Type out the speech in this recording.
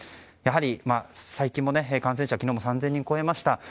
やはり、最近も感染者昨日も３０００人を超えました。